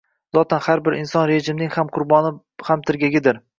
zotan har bir inson rejimning ham qurboni ham tirgagidir.